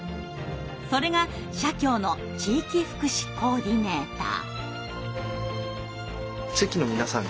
それが社協の地域福祉コーディネーター。